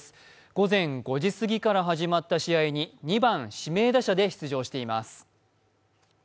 午前５時すぎから始まった試合に２番・指名打者で出場しています。